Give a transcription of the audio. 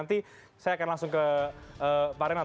nanti saya akan langsung ke pak renat